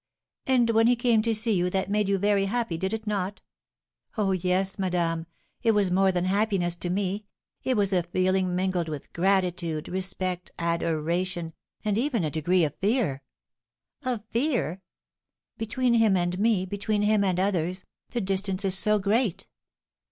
"And when he came to see you that made you very happy, did it not?" "Oh, yes, madame! It was more than happiness to me; it was a feeling mingled with gratitude, respect, adoration, and even a degree of fear." "Of fear?" "Between him and me, between him and others, the distance is so great!"